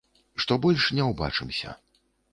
Што больш не ўбачымся.